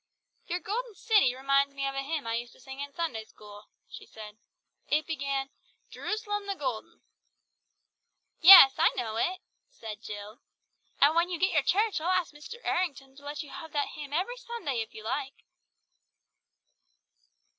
"Your Golden City reminds me of a hymn I used to sing in Sunday school," she said. "It began, 'Jeroos'lem the golden'!" "Yes, I know it," said Jill, nodding; "and when you get your church I'll ask Mr. Errington to let you have that hymn every Sunday if you like."